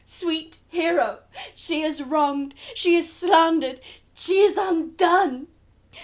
Sweet Hero! she is wronged; she is slandered; she is undone.